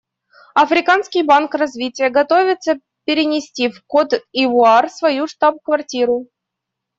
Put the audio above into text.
Африканский банк развития готовится перенести в Кот-д'Ивуар свою штаб-квартиру.